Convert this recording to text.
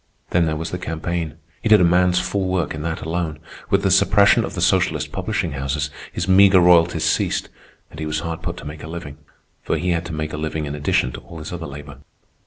Then there was the campaign. He did a man's full work in that alone. With the suppression of the socialist publishing houses, his meagre royalties ceased, and he was hard put to make a living; for he had to make a living in addition to all his other labor.